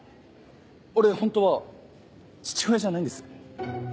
俺ホントは父親じゃないんです。